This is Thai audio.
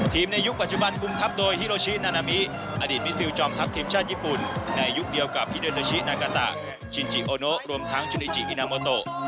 ในยุคปัจจุบันคุมทัพโดยฮิโลชินานามิอดีตมิฟิลจอมทัพทีมชาติญี่ปุ่นในยุคเดียวกับฮิเดอร์ชินากาตะชินจิโอโนรวมทั้งจุลิจิอินาโมโต